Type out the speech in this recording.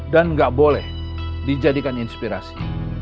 dan gak boleh dijadikan inspirasi